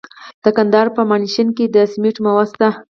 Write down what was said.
د کندهار په میانشین کې د سمنټو مواد شته.